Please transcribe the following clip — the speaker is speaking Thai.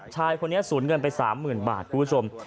ชายคนนี้สูญเงินไป๓หมื่นบาทครับคุณผู้ชม